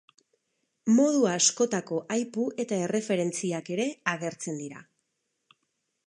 Modu askotako aipu eta erreferentziak ere agertzen dira.